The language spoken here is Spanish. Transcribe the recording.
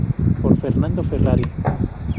Por Fernando Ferrari.